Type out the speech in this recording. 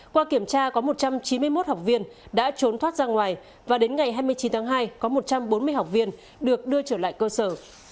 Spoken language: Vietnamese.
qua kiểm tra có một trăm chín mươi một học viên đã trốn thoát ra ngoài và đến ngày hai mươi chín tháng hai có một trăm bốn mươi học viên được đưa trở lại cơ sở